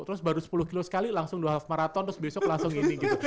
terus baru sepuluh kilo sekali langsung dua half marathon terus besok langsung ini gitu